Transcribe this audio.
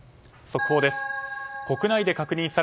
速報です。